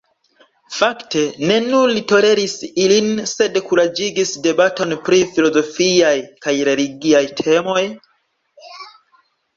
Fakte, ne nur li toleris ilin, sed kuraĝigis debaton pri filozofiaj kaj religiaj temoj.